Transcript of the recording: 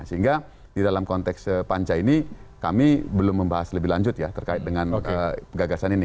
sehingga di dalam konteks panja ini kami belum membahas lebih lanjut ya terkait dengan gagasan ini